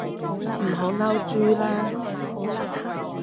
唔好嬲豬啦